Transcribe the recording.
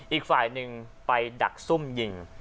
อีกฝ่ายหนึ่งไปดักซุ่มยิง